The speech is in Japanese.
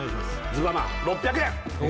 ズババン６００円！